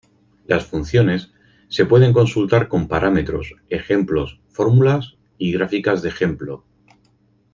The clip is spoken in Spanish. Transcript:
Las funciones se pueden consultar con parámetros, ejemplos, fórmulas y gráficas de ejemplo.